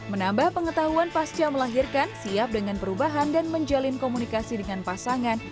menambah pengetahuan pasca melahirkan siap dengan perubahan dan menjalin komunikasi dengan pasangan